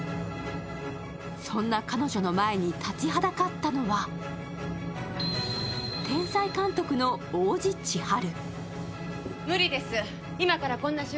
そんな彼女の前に立ちはだかったのは、天才監督の王子千晴。